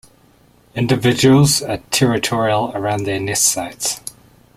Individuals are territorial around their nest sites.